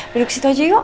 duduk situ aja yuk